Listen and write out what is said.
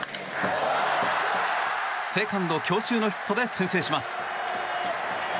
セカンド強襲のヒットで先制します。